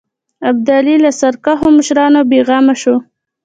ابدالي له سرکښو مشرانو بېغمه شو.